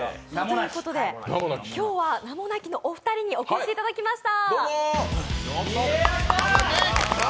今日はなもなきのお二人にお越しいただきました。